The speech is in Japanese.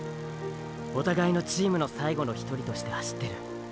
お互いのチームの最後の一人として走ってる。